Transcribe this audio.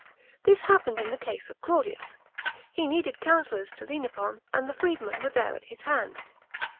This happened in the case of Claudius. He needed councillors to lean upon, and the freedmen were there, at his hand.